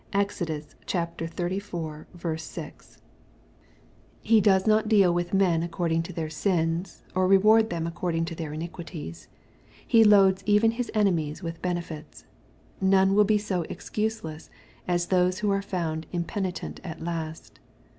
(Exod. xxziv.&.) fle does not deal with men according to their sins, or reward them according to their iniquities. He loads even His enemies with benefits. None will be so excuse less as those who are found impenitent at last.